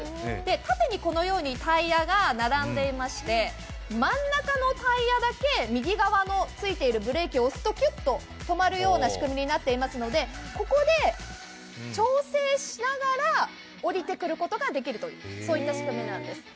縦にタイヤが並んでいまして、真ん中のタイヤだけ右側のついているブレーキをオスときゅっと止まるような仕組みになっていますのでここで調整しながら下りてくることができるというそういった仕組みなんです。